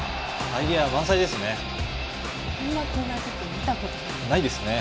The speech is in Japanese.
アイデア満載ですね。